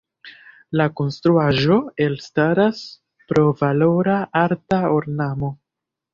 La konstruaĵo elstaras pro valora arta ornamo.